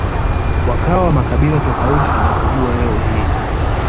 wakawa makabila tofauti tunayoyajua leo hii